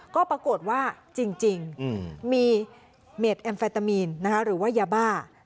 ก็ปรากฏว่าจริงมีเม็ดแอมเฟตามีนหรือว่ายาบ้า